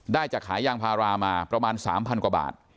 ได้จากขายยางพารามาประมาณ๓๐๐กว่าบาท